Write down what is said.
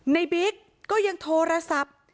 บิ๊กก็ยังโทรศัพท์